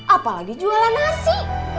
apalagi jualan nasi